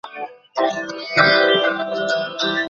তিনি খলিফার উপাধি লাভ করেন।